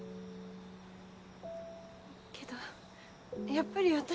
けどやっぱり私。